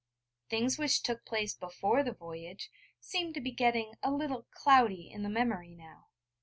Things which took place before the voyage seem to be getting a little cloudy in the memory now.